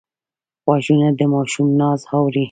غوږونه د ماشوم ناز اوري